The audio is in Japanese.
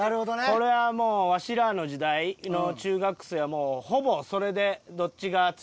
これはもうわしらの時代の中学生はもうほぼそれでどっちが強いか決めてました。